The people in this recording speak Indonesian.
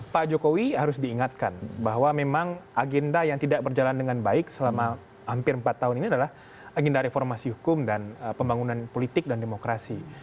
pak jokowi harus diingatkan bahwa memang agenda yang tidak berjalan dengan baik selama hampir empat tahun ini adalah agenda reformasi hukum dan pembangunan politik dan demokrasi